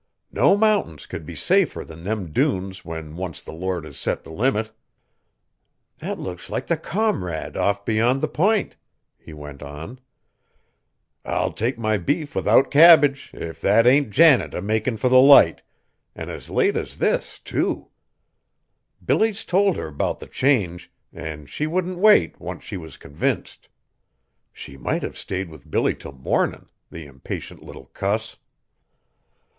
No mountains could be safer than them dunes when once the Lord has set the limit. That looks like the Comrade off beyond the P'int!" he went on; "I'll take my beef without cabbage, if that ain't Janet a makin' for the Light, an' as late as this, too! Billy's told her 'bout the change, an' she wouldn't wait, once she was convinced. She might have stayed with Billy till mornin', the impatient little cuss."